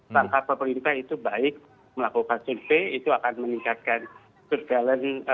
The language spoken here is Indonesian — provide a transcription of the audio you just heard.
langkah pemerintah itu baik melakukan survei itu akan meningkatkan surveillance